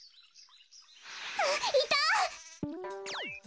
あっいた！